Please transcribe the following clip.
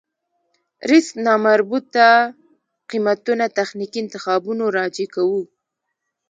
ريسک نامربوطه قېمتونه تخنيکي انتخابونو راجع کوو.